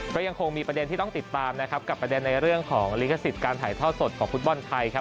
ก็ยังคงมีประเด็นที่ต้องติดตามนะครับกับประเด็นในเรื่องของลิขสิทธิ์การถ่ายทอดสดของฟุตบอลไทยครับ